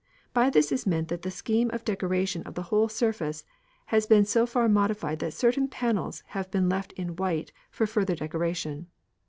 By this is meant that the scheme of decoration of the whole surface has been so far modified that certain panels have been left in white for further decoration.